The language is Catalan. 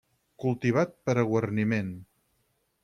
Cultivat per a guarniment.